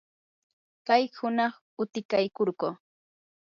kay hunaq utikaykurquu.